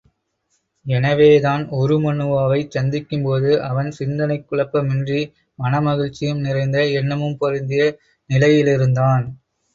எனவே தான் உருமண்ணுவாவைச் சந்திக்கும்போது அவன் சிந்தனைக் குழப்பமின்றி மனமகிழ்ச்சியும் நிறைந்த எண்ணமும் பொருந்திய நிலையிலிருந்தான்.